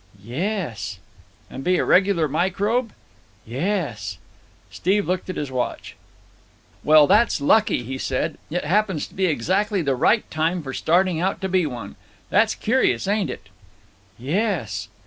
"Yes." "And be a regular microbe?" "Yes." Steve looked at his watch. "Well, that's lucky," he said. "It happens to be exactly the right time for starting out to be one. That's curious, ain't it?" "Yes."